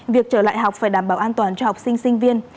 việc trở lại học phải đảm bảo an toàn cho học sinh